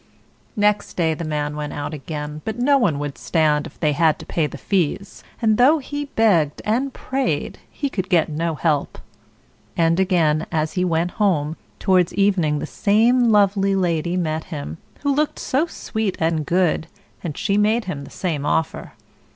Next day the man went out again, but no one would stand if they had to pay the fees; and though he begged and prayed, he could get no help. And again as he went home, towards evening the same lovely lady met him, who looked so sweet and good, and she made him the same offer.